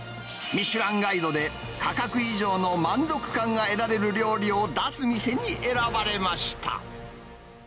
ミシュランガイドで価格以上の満足感が得られる料理を出す店に選ばれました。